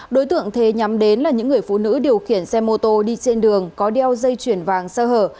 đối tượng thế nhắm đến là những người phụ nữ điều khiển xe mô tô đi trên đường có đeo dây chuyển vàng sơ hở